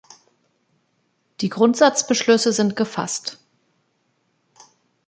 Die Grundsatzbeschlüsse sind gefasst.